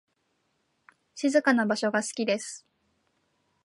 静かな場所が好きです。